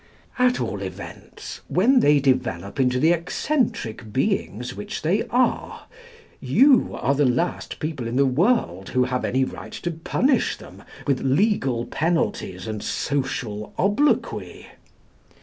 At all events, when they develop into the eccentric beings which they are, you are the last people in the world who have any right to punish them with legal penalties and social obloquy.